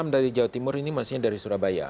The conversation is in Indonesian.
dari jawa timur ini maksudnya dari surabaya